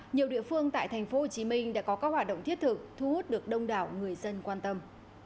nhiều địa phương tại tp hcm đã có các hoạt động thiết thực thu hút được đông đảo người dân quan tâm